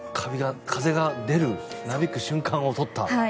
風が出るなびく瞬間を撮った。